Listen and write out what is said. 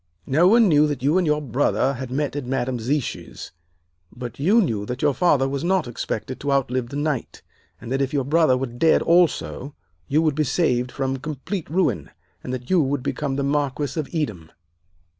No one knew that you and your brother had met at Madame Zichy's. But you knew that your father was not expected to outlive the night, and that if your brother were dead also, you would be saved from complete ruin, and that you would become the Marquis of Edam.